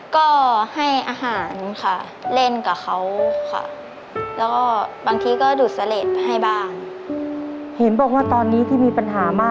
ก็ให้อาหารค่ะเล่นกับเขาค่ะ